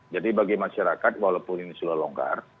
jadi bagi masyarakat walaupun ini sudah longgar